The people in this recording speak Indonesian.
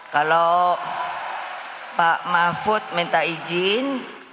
kalau pak mahfud minta izin